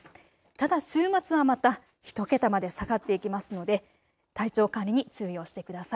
ただ週末はまた１桁まで下がっていきますので体調管理に注意をしてください。